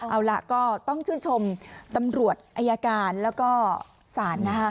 เอาล่ะก็ต้องชื่นชมตำรวจอายการแล้วก็ศาลนะคะ